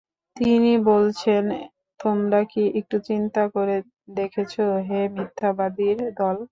তিনি বলছেন—তোমরা কি একটু চিন্তা করে দেখেছ, হে মিথ্যাবাদীর দল!